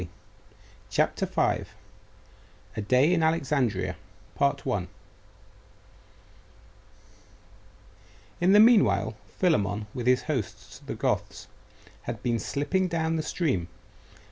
CHAPTER V: A DAY IN ALEXANDRIA In the meanwhile, Philammon, with his hosts, the Goths, had been slipping down the stream.